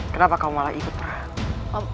kenapa kau malah ikut raden